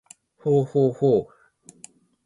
ほうほうほう